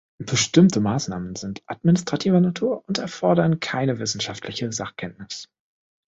Bestimmte Maßnahmen sind administrativer Natur und erfordern keine wissenschaftliche Sachkenntnis.